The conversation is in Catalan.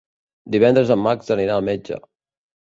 Divendres en Max anirà al metge.